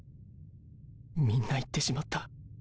みんな行ってしまった。